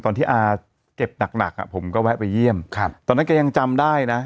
ตอนที่อาเจ็บหนักหนักอ่ะผมก็แวะไปเยี่ยมครับตอนนั้นแกยังจำได้นะ